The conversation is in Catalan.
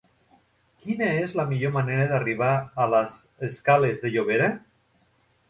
Quina és la millor manera d'arribar a la escales de Llobera?